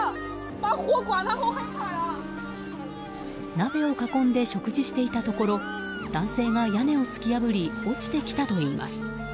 鍋を囲んで食事していたところ男性が屋根を突き破り落ちてきたといいます。